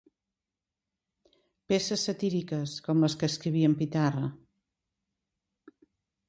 Peces satíriques com les que escrivia en Pitarra.